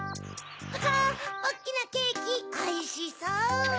わぁおっきなケーキおいしそう！